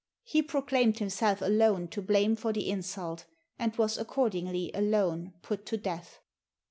He proclaimed himself alone to blame for the insult, and was accordingly alone put to death.